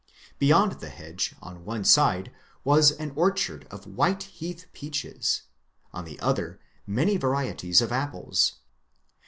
Beyond the hedge on one side was an orchard of white heath peaches, on the other many varieties of apples.